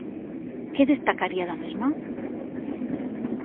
Que destacaría da mesma?